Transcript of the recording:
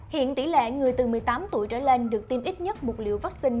hiện tỷ lệ người từ một mươi tám tuổi trở lên được tiêm ít nhất một liều vaccine